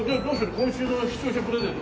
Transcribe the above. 今週の視聴者プレゼント